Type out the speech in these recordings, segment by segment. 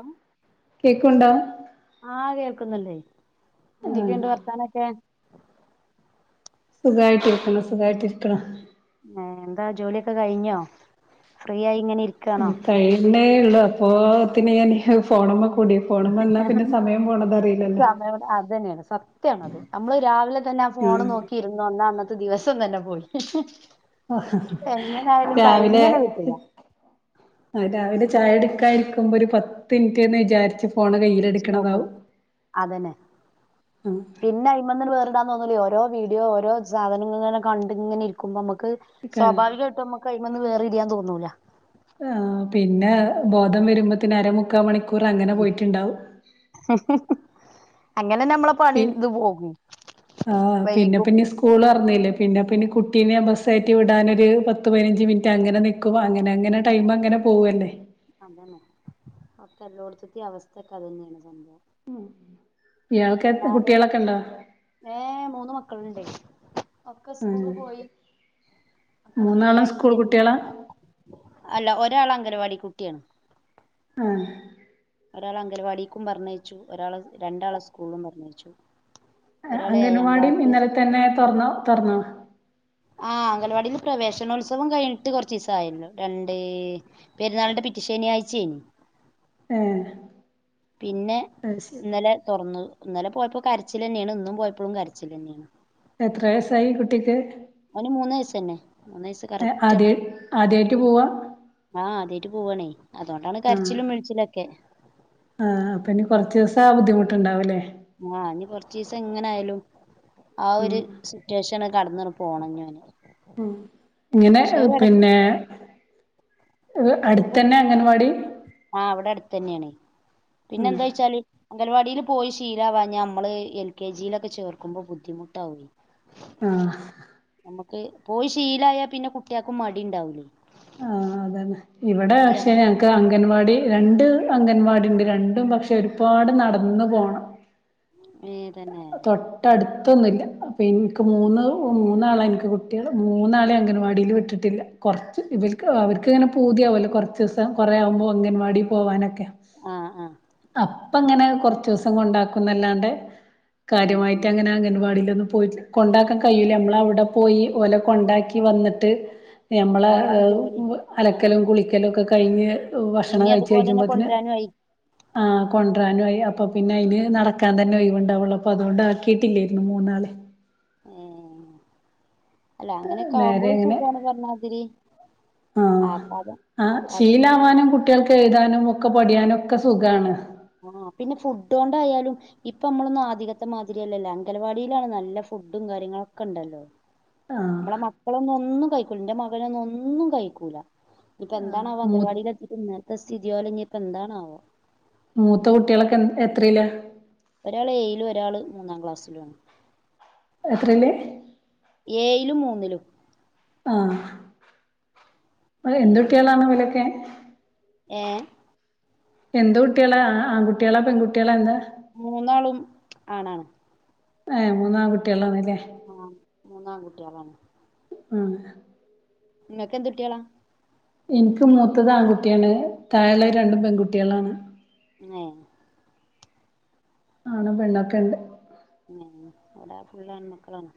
അം. കേക്കുണ്ടോ? ആഹ് കേൾക്കുന്നുണ്ടെയ്. എന്തൊക്കെണ്ട് വർത്താനൊക്കെ? സുഖായിട്ടിരിക്കുണു, സുഖായിട്ടിരിക്കുണു. ഏഹ് എന്താ ജോലിയൊക്കെ കഴിഞ്ഞോ? ഫ്രീ ആയി ഇങ്ങനെ ഇരി ഉം കഴിയുന്നേള്ളു അപ്പോത്തിന് ഞാൻ ഫോണ് മ്മെ കൂടി ഫോണ് മ്മെ നിന്നാൽ പിന്നെ സമയം പോണ [unintelligible] അതന്നെണ് സത്യണത് നമ്മള് രാവിലെ തന്നെ ആ ഫോണ് നോക്കി. ക്കി ഇരുന്നൊന്ന അന്നത്തെ ദിവസം തന്നെ പോയി. എങ്ങനായാലും രാവിലെ. കഴിഞ്ഞനെ കിട്ടൂല ആഹ് രാവിലെ ചായുടിക്കാരിക്കുമ്പൊ ഒരു പത്തിന് റ്റ്ന്ന് വിചാര്ച്ചു ഫോണ് ച്ച് നോക്കും കയ്യില്ട്ക്ക്ണതാവും അതന്നെ ആഹ് പിന്നെ അയ്മ്മന്ന്ണ് വേറ്ടാൻ തോന്നൂലെയ് ഓരോ വീഡിയോ ഓരോ സാധനങ്ങള് ങ്ങനെ കണ്ട്ങ്ങനെ ഇരിക്കുമ്പോ നമ്മക്ക് സ്വാഭാവികായ്ട്ടും നമ്മക്ക് അഴ്മന്ന് വേറിരിയാൻ തോന്നൂല്ല ആഹ് പിന്നെ ബോധം വരുമ്പോത്തിന് അര മുക്കാ മണിക്കൂറ് അങ്ങനെ പോയിട്ടുണ്ടാവും അങ്ങനെന്നെ നമ്മളെ പണി ഇത് പോകും വൈകും സ്കൂളോറ്ന്നില്ലേ പിന്നെ പിന്നെ കുട്ടീനെ ബസ്സ് കയ്റ്റി വിടാനൊരു പത്ത് പതിനഞ്ച് മിനിറ്റ് അങ്ങനെ നിക്കും നിക്കും അങ്ങനെ അങ്ങനെ ടൈംമങ്ങനെ പോവല്ലെ അതന്നെ ഒക്കെ എല്ലോട്ത്തിത്തി അവസ്ഥ ഒക്കെ അതന്നെണ് സംഭവം ഇയാൾക്ക് എത് കുട്ട്യാളൊക്കണ്ടോ ഏഹ് മൂന്ന് മക്കളുണ്ടെയ് ഒക്കെ സ്കൂള് പോയി ഒക്കെ മൂന്നാളും സ്കൂൾ ഫ്രീയായിങ്ങനെ കുട്ടികളാ ഇരിക്ക അല്ല ഒരാള് അംഗനവാടി കുട്ടിയാണ് ആഹ് ഒരാളെ അംഗലവാടിക്കും പറ്ഞ്ഞയ്ച്ചു ഒരാളെ രണ്ടാളെ സ്കൂളിലും പറ്ഞ്ഞയ്ച്ചു അംഗൻവാടിം ഇന്നല് തന്നെ തൊറ്ന്നോ തൊറ്ന്നോ ആഹ് അംഗൽവാടീല് പ്രവേശനോത്സവം കഴിഞ്ഞിട്ട് കൊറച്ചീസം ആയല്ലോ രണ്ട് പെരുന്നാൾന്റെ പിറ്റെ ശനിആയ്ച്ചേനി ഏഹ് പിന്നെ അത് ശരി ഇന്നലെ തൊറ്ന്നു ഇന്നലെ പോയപ്പോ കരച്ചിലന്നെണ് ഇന്നും പോയപ്പളും കരച്ചിലെന്നെണ് എത്ര വയസായി കുട്ടിക്ക് ഓന് മൂന്ന വയ്സ്സന്നെ മൂന്ന് വയസ് ഏഹ് ആദ്യ കറക്റ്റാപ്പൊ ആദ്യായിട്ട് പോവാ ആഹ് ആദ്യയ്ട്ട് പോവണേയ് അതൊണ്ടാണ് ആഹ് കരച്ചിലും മീഴിച്ചിലൊക്കെ ആഹ് അപ്പ ഇനി കൊറ്ച്ചിസം ആഹ് ബുദ്ധിമുട്ടുണ്ടാവല്ലേ ആഹ് ഇനി കൊറ്ച്ചീസം ങ്ങനയാലും ആഹ് ഒരു സിറ്റുവേഷൻ കട്ന്നൊർ പോണങ്ങനെ ഉം ഇങ്ങനെ പിന്നെ അട്ത്തന്നെ അംഗനവാടി ആഹ് വടെ അടുത്തന്നെണയ് പിന്നെ എന്താച്ചാല് അംഗൽവാടീൽ പോയി ശീലാവാഞ്ഞ നമ്മള് എൽ കെ ജി ലൊക്കെ ചേർക്കുമ്പോ ബുദ്ധിമുട്ടാവുയ് ആഹ് നമ്മക്ക് പോയി ശീലായാ പിന്നെ കുട്ട്യാക്കും മടി ണ്ടാവൂലെയ് ആഹ് അതന്നെ ഇവിടെ പഷേ നമ്മൾ ഞങ്ങക്ക് ഞങ്ങക്ക് അംഗൻവാടി രണ്ട് അംഗൻവാടിണ്ട് രണ്ടും പക്ഷെ ഒരുപാട് നടന്ന് പോണം [inaudible] ഏഹ് തന്നെ തൊട്ടട്ത്തൊന്നുല്ല അപ്പ ഇന്ക്ക് മൂന്ന് മൂന്നാളാണ് ഇന്ക്ക് കുട്ട്യാള് മൂന്നാളീം അങ്ങനവാടില് വിട്ടിട്ട്ല്ല വിട്ടിട്ട്ല്ല കൊർച്ച് ഇവർക്ക് അവർക്കിങ്ങനെ പൂതിയാവല്ലോ കുറച്ച് ദിവസം കൊറേ ആവുമ്പോ അംഗനവാടി പോവാനൊക്കെ ആഹ് ആഹ് അപ്പങ്ങനെ കൊറച്ച്സം കൊണ്ടാക്കുന്നല്ലാണ്ട് ഉം ഉം കാര്യമായിട്ട് അങ്ങനെ അംഗൻവാടിലൊന്നും പോയ്റ്റില്ല കൊണ്ടാക്കാൻ കയ്യൂല നമ്മള് അവിടെ പോയി ഓലെ കൊണ്ടാക്കി വന്നിട്ട് ഞമ്മളെ നമ്മളൊക്കെ ഇഹ് ജോലി വ് അന്നെ അലക്കലും കുളിക്കലും ഒക്കെ കഴിഞ്ഞ് ഭക്ഷണം പിന്നെ കയ്ച്ച് അതുപോലെ തന്നെ കജുമ്പത്തിന് കൊണ്ടുവരാനും ആയി ആഹ് കൊണ്ടരാനു ആയി അപ്പൊ പിന്നെ അതിന് നടക്കാൻ തന്നെ ഒയിവ്ണ്ടാവെള്ളൂ അപ്പൊ അതുകൊണ്ട് ആക്കിട്ടില്ലായിരുന്നു മൂന്നാളീം ഏഹ് അല്ല അങ്ങനെയക്കെ നേരെ ആവുമ്പോളും അങ്ങനെ സുഖമാണ് പറഞ്ഞാതിരി ആഹ് ആക്കാതെ ആക്കാതെന്ന കുട്ടിയാൾക്ക് എഴുതാനും ഒക്കെ പടിയാനും ഒക്കെ സുഖമാണ് ആഹ് പിന്നെ ഫുഡ് കൊണ്ടായാലും ഇപ്പൊ നമ്മളൊന്നും ആധികത്തെ മാതിരിയല്ലല്ലോ അങ്കലവാടിയിലാണ് നല്ല ഫുഡും കാര്യങ്ങളൊക്കെ ഉണ്ടല്ലോ ആഹ് നമ്മളെ മക്കളൊന്നും ഒന്നും കഴിക്കൂല എന്റെ മകനൊന്നും ഒന്നും കഴിക്കൂല ഇപ്പൊ എന്താണാവോ മൂ അംഗൻവാടിൽ എത്തിട്ട് ഇന്നത്തെ സ്ഥിതി ഓലെങ്കി ഇപ്പോ എന്താണാവോ മൂത്ത കുട്ടികളൊക്കെ എൻ എത്രയിലാ ഒരാള് ഏയിലും ഒരാള് മൂന്നാം ക്ലാസ്സിലുമാണ് എത്രയില് ഏയിലും മൂന്നിലും ആഹ് അല്ല എന്ത് കുട്ടിയാളാണ് അവലൊക്കെ ഏഹ് എന്ത് കുട്ടികളാ ആൺകുട്ടികളാ പെൺകുട്ടികളാ എന്താ മൂന്നാളും ആണാണ് ഏഹ് മൂന്നാൺ കുട്ടിയളാന്നല്ലേ ആഹ് മൂന്നാം കുട്ടിയളാണ് ഉം നിങ്ങൊക്കെന്തുട്ടിയളാ എനിക്ക് മൂത്തത് ആൺകുട്ടിയാണ് താഴളെ രണ്ടും പെൺകുട്ടികളാണ് ഏഹ് ആണും പെണ്ണൊക്കെ ഉണ്ട് ഉം എവിടാ ഫുള്ളാൺ മക്കളാണ്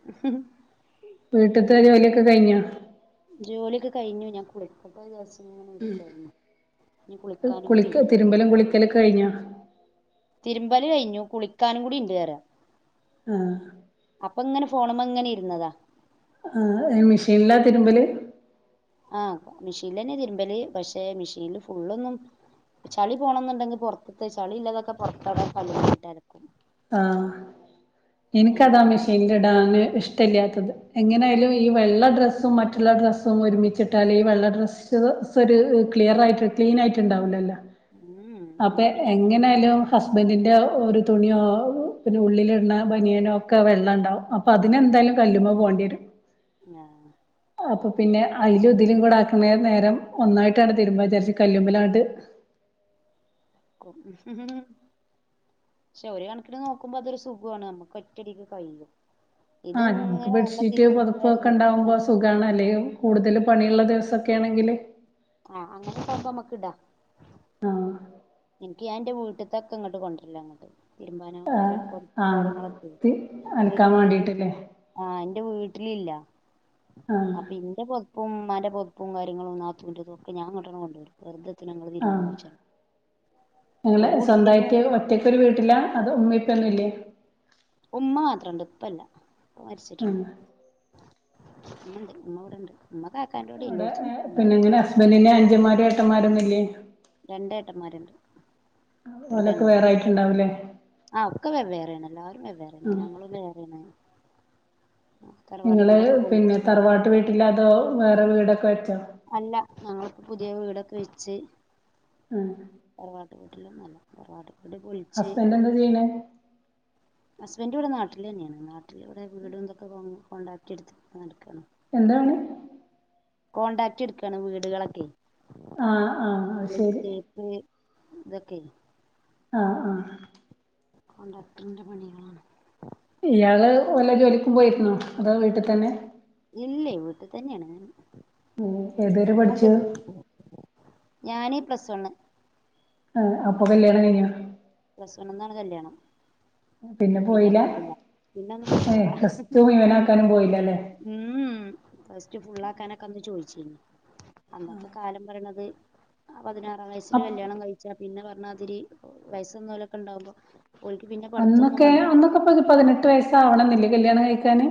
വീട്ടത്തെ ജോലിയൊക്കെ കഴിഞ്ഞ ജോലിയൊക്കെ കഴിഞ്ഞു ഞാൻ കുളിക്കട്ടെ വിചാരിച്ച് ഇങ്ങനെ ഇരിക്കായിരുന്നു ഇനി കുളിക്കാനും കൂടിയുണ്ട് രുമ്പലും കുളിക്കലൊക്കെ കഴിഞ്ഞോ തിരുമ്പല് കഴിഞ്ഞു കുളിക്കാനും കൂടി ഉണ്ട് പറയാ ആഹ് അപ്പങ്ങനെ ഫോണ്മ്മങ്ങന ഇരുന്നതാ ആഹ് മെഷീനിലാ തിരുമ്പൽ ആഹ് മെഷീലന്നെ തിരുമ്പല് പക്ഷെ മെഷീനിൽ ഫുള്ളൊന്നും ചളി പോണംന്നുണ്ടെങ്കി പുറത്തെ ചളി ഇല്ലാതൊക്കെ പൊറത്തടെ കല്ല്മലിട്ട് അലക്കും ആഹ് എനിക്കതാ എല്ലതും മെഷീനൽ ഇടാൻ ഇഷ് ല്ലാത്തത് എങ്ങനെയായാലും ഈ വെള്ള ഡ്രസ്സും മറ്റുള്ള ഡ്രസ്സും ഒരുമിച്ചിട്ടാല് ഈ വെള്ള ഡ്രസ് സ്സരു ക്ലിയറായിട്ട് ക്ലീനായിട്ട് ഉണ്ടാവുലല്ലോ ഉം അപ്പൊ ഞാൻ പിന്നെ അങ്ങനത്തെ എങ്ങനെയാലും ഹസ്ബന്റീന്റെ ഒരു തുണിയോ പിന്നെ ഉള്ളിലിട്ണ ബനിയനോക്കെ വെള്ളണ്ടാവും അപ്പൊ അതിനെന്തായാലും കല്ലുമ്മേ പോണ്ടിയരും ആഹ് അപ്പൊ പിന്നെ അയ്ലും ഇതിലും കൂടെ ആക്കുന്ന നേരം ഒന്നായിട്ടാണ് തിരുമ്പാചാരിച്ച കല്ലുമ്മലാണ്ട് [unintelligible] പക്ഷെ ഒരു കണക്കിന് നോക്കുമ്പോ അതൊരു സുഖോണ് നമുക്ക് ഒറ്റടിക്ക് കഴിയും ആഹ് നമുക്ക് ഇത്ങ്ങനെ വെള്ളം ബെഡ്ഷീറ്റ് തിരിച്ചിട്ട പുതപ്പൊക്കെ യ്മക്കന്നെ ഉണ്ടാവുമ്പോ സുഖാണ് അല്ലെങ്കിൽ കൂടുതൽ പണിയുള്ള ദിവസൊക്കെണെങ്കില് ആഹ് അങ്ങനെ ക്കാവുമ്പം മക്ക് ഇടാ ആഹ് ഇനിക്ക് ഞാന്റെ വീട്ടിത്തൊക്കെ ഇങ്ങട്ട് കൊണ്ടരല്ലാങ്ങട്ട് തിരുമ്പാനൊക്കെ പൊതപ്പും ആഹ് കാര്യങ്ങളൊക്കെ ത് അലക്കാൻ വേണ്ടിട്ടില്ലേ ആന്റെ വീട്ടിലില്ല ആഹ് അപ്പൊ ഇന്റെ പൊ ഉമ്മാൻ്റെ പൊതപ്പും കാര്യങ്ങളും നാത്തൂൻ്റെതൊക്കെ ഞാങ്ങട്ട് കൊണ്ടോരും വെറുതെന്തിനാ ഇങ്ങള് തിരുമ്പണോയ്ച്ചാണ്ട് ഞങ്ങളെ സ്വന്തായിട്ട് ഒറ്റയ്ക്കൊരു വീട്ടിലാ അതോ ഉമ്മിം ഉപ്പൊന്നുംല്ലേ ഉമ്മ മാത്രണ്ട് ഉപ്പല്ല മരിച്ചിട്ടുണ്ട് ഉമ്മണ്ട് ഉമ്മവിടൊണ്ട് ഉമ്മ കാക്കാൻ്റൊടിം എല്ലോടത്തും നിക്കുംന്ന് ഇവനിന്നെ അനുജൻമാരും എട്ടന്മാരൊന്നില്ലേ രണ്ടേട്ടന്മാരുണ്ട് ഒരു ഓലൊക്കെ പെങ്ങളും വേറായിട്ടുണ്ടാവുല്ലേ ആഹ് ഒക്കെ വെവ്വേറെയാണ് എല്ലാവരും വെവ്വേറെയാണ് ഞങ്ങളും വേറെയാണ് തറവാട് നിങ്ങള് വീടൊക്കെ പിന്നെ പൊളിച്ചു തറവാട്ട് വീട്ടില്ലാതോ വേറെ വീടൊക്കെ വെച്ചോ അല്ല ഞങ്ങളിപ്പം പുതിയ വീടൊക്കെ വെച്ച് ആഹ് തറവാട്ട് വീട്ടിലൊന്നുല്ല തറവാട വീട് പൊളിച്ച് ഹസ്ബൻഡ് എന്താ ചെയ്യണേ ഹസ്ബൻഡിവിടെ നാട്ടിൽ തന്നെയാണ് നാട്ടിൽ ഇവിടെ വീടുംന്തൊക്കെ കോൺടാക്ട് എടുത്ത് നടക്കാണ് എന്താണ് കോൺടാക്ട് എടുക്കാണ് വീടുകളൊക്കെ ആഹ് ആഹ് അത് ശെരി [unintelligible] ഇതൊക്കെ ഇല്ലേ ആഹ് ആഹ് കോൺടാക്ട്ടിൻ്റെ പണികളാണ് ഇയാള് വല്ല ജോലിക്കും പോയിരുന്നോ അതോ വീട്ടിൽ തന്നെ ഇല്ല വീട്ടി തന്നെയാണ് ഏതുവരെ ഞാൻ പഠിച്ചു [unintelligible] ഞാനീ പ്ലസ് വണ്ണ് ആഹ് അപ്പൊ കല്യാണം കഴിഞ്ഞോ പ്ലസ് വണ്ണ്ന്നാണ് കല്യാണം പിന്നെ പോയിട്ടില്ല പിന്നെ ഏഹ് ഒന്നും പ്ലസ് ടു മുഴുവനാക്കാനും പോയില്ലല്ലേ ഉം പ്ലസ്ടു ഫുള്ളാക്കാനൊക്കെ അന്ന് ചോയ്ച്ചിനി അന്നത്തെ കാലം പറയണത് ആഹ് പതിനാറാം വയസ്സില് അപ് കല്യാണം കഴിച്ചാ പിന്നെ പറഞ്ഞാതിരി വയസ്സ് വന്നാലോക്കെ ഉണ്ടാവുമ്പോ ഓൽക്ക് പിന്നെ പഠിത്തൊന്നും അന്നൊക്കെ വേണ്ടല്ലോ അന്നൊക്കെ പതിനെട്ട് വയസ്സ്ആവണം എന്നില്ലേ കല്യാണം കഴിക്കാന്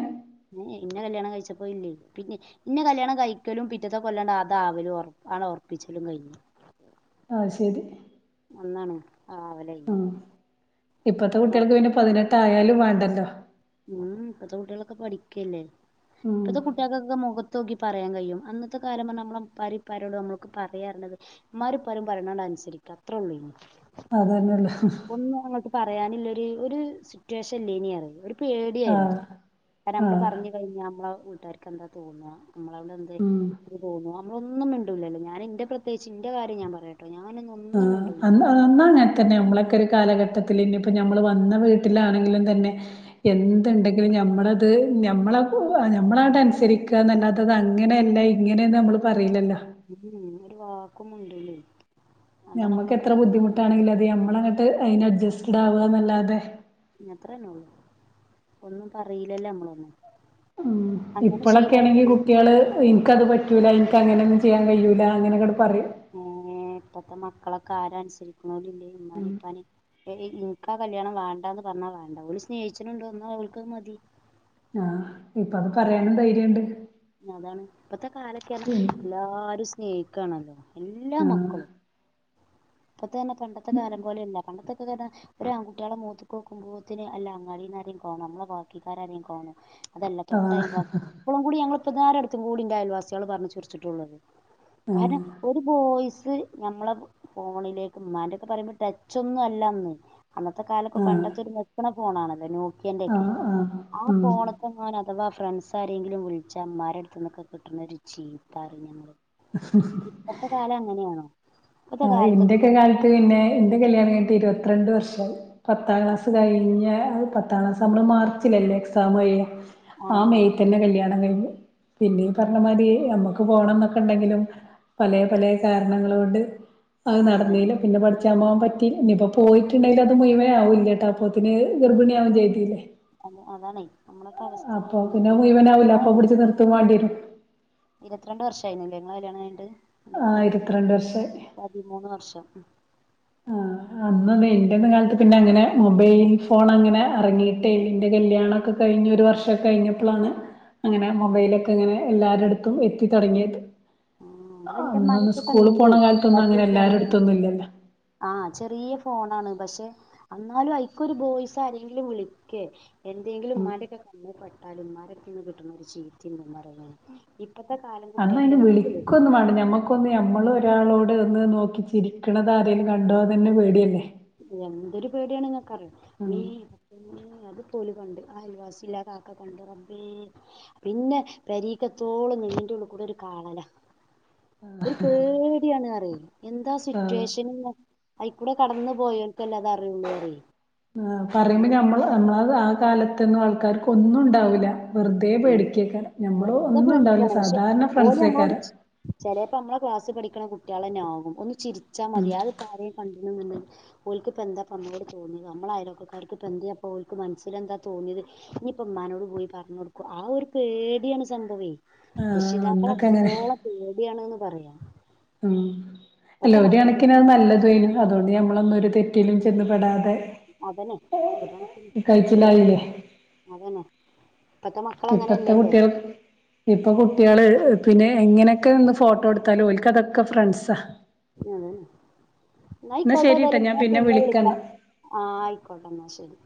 ഏഹ് എന്നെ കല്യാണം കഴിച്ചപ്പോ ‌ ഇല്ലേ പിന്നെ ഇന്നെ കല്യാണം കഴിക്കലും പിറ്റത്തെ കൊല്ലം അതാകലും അങ്ങട്ട് ഒറപ്പിച്ചലും കഴിഞ്ഞു അയ് ശെരി അന്നാണ് ആവല് ആഹ് ഇപ്പത്തെ കുട്ടിൾക്ക് പിന്നെ പതിനെട്ടായാലും വേണ്ടല്ലോ? ഉം ഇപ്പത്തെ കുട്ടികളൊക്കെ പഠിക്കല്ലേ ഉം ഇപ്പത്തെ കുട്ടികൾക്കൊക്കെ മൊഖ ത്തോക്കി പറയാൻ കഴിയും അന്നത്തെ കാലം പറഞ്ഞാൽ നമ്മളപ്പരിപ്പാരേ ഉള്ളൂ നമ്മൾക് പറയാ പറഞ്ഞത് ഉമ്മാരും ഇപ്പാരും പറയണത് അനുസരിക്ക അത്രേയള്ളൂ അതന്നെയ ഒള്ളു ഒന്നും അങ്ങട്ട് പറയാനില്ല ഒരു ഒരു സിറ്റുവേഷൻ ഇല്ലേയിനി പറി പേടിയായിരുന്നു ആഹ് കാരണം നമ്മള് ആഹ് പറഞ്ഞ കഴിഞ്ഞ നമ്മളെ വീട്ടുകാർക്ക് എന്താ തോന്നുകാ നമ്മളോട് എന്ത് ഉം ത് തോന്നുണു നമ്മളൊന്നും മിണ്ടില്ലല്ലോ ഞാന്റെ പ്രത്യേകിച്ച് എന്റെ കാര്യം ഞാൻ പറയാം ഞാനൊന്നും ഒന്നും ആഹ് മിണ്ടൂലേനി അന്നാ അന്ന് അങ്ങനെ തന്നെയാ നമ്മളൊക്കെ ഒരു കാലഘട്ടത്തില് ഇനിയിപ്പോ നമ്മള് വന്ന വീട്ടിലാണെങ്കിലും തന്നെ എന്തുണ്ടെങ്കിലും ഞമ്മളത് നമ്മള നമ്മളടെ അനുസരിക്കാ എന്നല്ലാതെ അത് അങ്ങനെയല്ല ഇങ്ങനെയാ നമ്മള് പറയില്ലല്ലോ ഉം ഒരു വാക്കും മുണ്ടൂലേ ഞമ്മക്ക് എത്ര ബുദ്ധിമുട്ടാണെങ്കിലും അത് നമ്മളങ്ങട്ട് അതിന് അഡ്ജസ്റ്റഡ് ആവ എന്നല്ലാതെ അത്രേന്നേ ഉള്ളൂ ഒന്നും പറയില്ലല്ലേ നമ്മളൊന്നും ഉം അങ്ങനെ ഇപ്പോളക്കെ ശീലായി ആണെങ്കിൽ പോയി കു കുട്ടിയള് എനിക്കത് പറ്റൂല്ല ഇൻക്ക് അങ്ങനൊന്നും ചെയ്യാൻ കഴിയൂല്ല അങ്ങന അങ്ങട് പറയും ഏഹ് ഇപ്പത്തെ മക്കളൊക്കെ ആരാ അനുസരിക്കോണില്ലേ ഇമ്മാനെ ഇപ്പാനെം ഇനിക്കാ കല്യാണം വേണ്ടാ എന്ന് പറഞ്ഞാ വാണ്ട അവിര് സ്നേഹിച്ച്ണ്ടോ എന്നാ അവര്ക്ക് അത്‌ മതി ആഹ് ഇപ്പ അത് പറയാനും ധൈര്യണ്ട് അതാണ് ഇപ്പത്തെ കാലൊക്കെ പറഞ്ഞാ എല്ലാരും സ്നേഹിക്കാണല്ലോ എല്ലാ മക്കളും ഇപ്പത്തെ തന്നെ പണ്ടത്തെ കാലം പോലെയല്ല പണ്ടത്തെക്കെ പറഞ്ഞാ ഒരു ആൺട്ടികളെ മോത്ത്ക്കോക്കുമ്പോത്തിന് അല്ല അങ്ങാടിന്ന് ആരങ്കിലും കാണോ നമ്മളെ ബാക്കിക്കാരെലും കാണോ അതല്ല ആഹ് തൊട്ടയൽവാസി ഇപ്പോഴും കൂടി ഞങ്ങള് ഇപ്പന്നേരടുത്തും കൂടിന്റെ അയൽവാസികള് പറഞ്ഞ് ചൊർച്ചിട്ടുള്ളത് ആഹ് കാരണം ഒരു ബോയ്സ് ഞമ്മളെ ഫോണിലേക്ക് ഇമ്മന്റെക്കെ പറയുമ്പോ ടച്ചൊന്നും അല്ലാന്ന് അന്നത്തെ കാലൊക്കെ ആഹ് പണ്ടത്തൊരു നെക്കണ ഫോണാണത് നോക്കിയേന്റൊക്കെ ആഹ് ആഹ് ആ ഉം ഫോണത്തെ എങ്ങാനും അഥവാ ആ ഫ്രണ്ട്സ് ആരെങ്കിലും വിളിച്ച അമാരെ അടുത്ത് നിന്ന് [unintelligible] ചീത്ത പറയും ഞങ്ങളെ അ ഇപ്പത്തെ കാലം അങ്ങനെയാണോ? ഇപ്പത്തെ ആ കാലത്തൊക്കെ ഇന്റെയൊക്കെ ഇത് കാലത്ത് പിന്നെ ഇന്റെ കല്യാണം കയിഞ്ഞിട്ട് ഇരുപത്തിരണ്ട് വർഷായി പത്താം ആ ക്ലാസ് കഴിഞ്ഞ പത്താം ക്ലാസ് നമ്മള് മാർച്ചിലല്ലേ എക്സാം കഴിയ ആ മെയ് തന്നെ കല്യാണം കയ്ഞ്ഞു പിന്നീ പറഞ്ഞമാതിരി നമ്മക്ക് പോണം എന്നൊക്കെ ഉണ്ടെങ്കിലും പല പല കാരണങ്ങള് കൊണ്ട് അത് അതന്നെ നടന്നീല്ല പിന്നെ പഠ ക്കാൻ പോവാൻ പറ്റി ഇനിയിപ്പ പോയിട്ട്ണ്ടെങ്കില് അത് മുയുവനാവൂല്ലാട്ടോ അപ്പോത്തിന് ഗർഭിണിയാകും ചെയ്തീലേ അ അതാണെ നമ്മളെ അപ്പൊ പിന്നെ മുയുവനാവൂല്ല അപ്പൊ പിടിച്ച് നിർത്തും വാണ്ടി വരും ഇരുത്തിരണ്ട് വർഷയിന്നില്ലേ നിങ്ങള കല്യാണം കയ്ഞ്ഞിട്ട് ആഹ് ഇരുത്തി രണ്ട് വർഷായി പതിമൂന്ന് വർഷം ആഹ് അന്നത് എന്റെ ഒന്നും കാലത്ത് പിന്നെ അങ്ങനെ മൊബൈൽ ഫോൺ അങ്ങനെ ഇറങ്ങിയിട്ടെ എൻ്റെ കല്യാണൊക്കെ കഴിഞ്ഞ് ഒരു വർഷം കഴിഞ്ഞപ്പോളാണ് അങ്ങനെ മൊബൈലൊക്കെ ഇങ്ങനെ എല്ലാരുടുത്തും എത്തി തൊടങ്ങിയത് ഉം ഇവിടെ എന്റെ ഉമ്മാന്റെ അന്നൊന്ന് അടുത്തൊക്കെ സ്കൂള് ഉണ്ട് പോണ കാലത്തൊന്നും പക്ഷേ അങ്ങനെ ചെറിയ എല്ലാരുടുത്തൊന്നും ഇല്ലല്ലോ ആഹ് ചെറിയ ഫോണാണ് പക്ഷെ എന്നാലും അയ്ക്കൊരു ബോയ്സ് ആരെങ്കിലും വിളിക്കേ എന്തെങ്കിലും ഇമ്മാന്റെക്കെ കണ്ണി പെട്ടാലും ഇമ്മാന്റടുത്തൂന്ന് കിട്ടുന്ന ഒരു ചീത്തിൻ്റെ വരവാണ് ഇപ്പത്തെ കാലം കുട്ടികൾക്ക് എന്ത് പേടി ഇൻക്കൊന്നു പണ്ട് ഞമ്മക്കൊ ഇപ്പ ഒന്ന് നമ്മള് ഒരാളോട് ഒന്ന് നോക്കി ചിരിക്കണത് ആരേലും കണ്ടോ ന്ന് തന്നെ പേടിയല്ലേ എന്തൊരു പേടിയാണ് ങ്ങക്കറിയൊ അമ്മേ ഉം. പിന്ന അത് ഓല് കണ്ട് അയൽ വാസില്ല കാക്ക കണ്ട് റബ്ബേ പിന്നെ പരീക്കെത്തോളം നെഞ്ഞിന്റെഉള്ളിക്കൂടൊരു കാളല ഒരു പേടിയാണ് പറയും എന്താ സിറ്റുവേഷനെന്ന്‌ അയിക്കൂടെ കടന്ന് പോയൊൽക്കല്ലേ അത് അറിയുള്ളൂ പറേ ആഹ് പറയുമ്പോ നമ്മൾ നമ്മള ആ കാലത്തൊന്നും ആൾക്കാർക്ക് ഒന്നും ഉണ്ടാവില്ല വെറുതെ ഉം പേടിക്കിയേക്കാെ ഞമ്മളോ വെറുതെ ഒന്നും ഉണ്ടാവില്ല സാധാരണ ഫ്രണ്ട്സേക്കാരം ചെലപ്പ നമ്മളെ ക്ലാസ്സിൽ പഠിക്കണ കുട്ടികളന്നെ ആകും ഒന്ന് ചിരിച്ചാ മതിയാ അതിപ്പാരെലും കണ്ടിന്ന് ഓൽക്കിപ്പൊ എന്താപ്പ നമ്മളോട് തോന്ന നമ്മള അയലോക്കാർക്ക് ഇപ്പോ എന്ത അപ്പൊ ഓൽക്ക്‌ മനസ്സില എന്താ തോന്നിയത് ഇനിയിപ്പ ഉമ്മാ നോട് പോയി പറഞ്ഞ കൊടുക്കും ആ ഒരു പേടിയാണ് സംഭവേ ആഹ് രക്ഷിതാക്കളെ അന്നൊക്കെ അങ്ങനെ അത്രത്തോളം പേടിയാണ്ന്ന് പറയാം ആഹ് അല്ല ഒരു കണക്കിനത് നല്ലതെനും അതുകൊണ്ട് നമ്മളൊന്നുംഒരു തെറ്റിലും ചെന്ന് പെടാതെ അതനെ ഒര് കണക്കിന് ഒര് കഴിച്ചിലായില്ലേ കണക്കിന് അതന്നെ ഇപ്പത്തെ മക്കള് ഇപ്പത്തെ അങ്ങനെയല്ലല്ലോ കുട്ടികൾ ഇപ്പൊ കുട്ടികള് പിന്നെ എങ്ങനെയൊക്കെ നിന്ന് ഫോട്ടോ എടുത്താലും ഓൽക്ക്‌ അതൊക്കെ ഫ്രണ്ട്സാ എന്നാ ന്നയിക്കോട്ടെ ശരിട്ടോ ഏതായാലും ഞാൻ പിന്നെ വിളിക്കാ വിളിക്കന്നാ ആഹ് ആയിക്കോട്ടെ എന്നാ ശരി